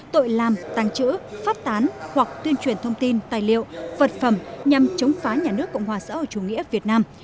tội làm tăng trữ phát tán hoặc tuyên truyền thông tin tài liệu vật phẩm nhằm chống phá nhà nước cộng hòa xã hội chủ nghĩa việt nam